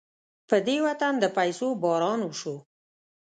په دې وطن د پيسو باران وشو.